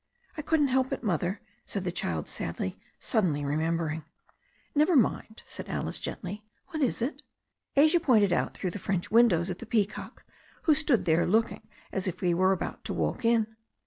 "I couldn't help it. Mother," said the child sadly, suddenly remembering. "Never mind," said Alice gently. "What is it?" Asia pointed through one of the French windows at the peacock, who stood there looking as if he were about to walk in.